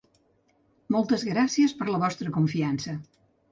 Moltes gràcies per la vostra confiança.